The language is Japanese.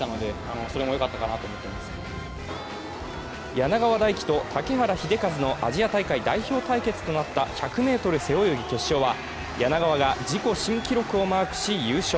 柳川大樹と竹原秀一のアジア大会代表対決となった男子１００ｍ背泳ぎ決勝は、柳川が自己新記録をマークし優勝。